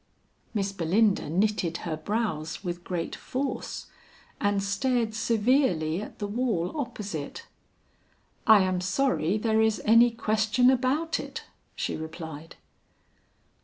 Miss Belinda knitted her brows with great force, and stared severely at the wall opposite. "I am sorry there is any question about it," she replied.